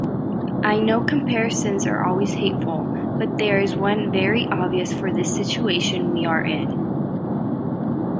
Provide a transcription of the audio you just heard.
I know comparisons are always hateful, but there is one very obvious for this situation we are in.